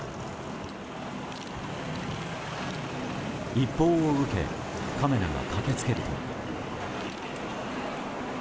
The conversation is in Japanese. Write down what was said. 一報を受けカメラが駆け付けると。